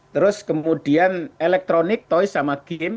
terus kemudian elektronik toys sama game